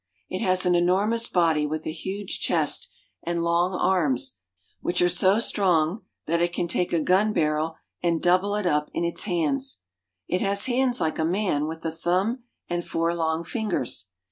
It has an enormous body with a huge chest, and long arms, which are so strong that it can take a gun barrel and double it up in its hands. It bas hands like a man, with a turab and four long fingers.